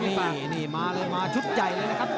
นี่มาเลยมาชุดใหญ่เลยนะครับ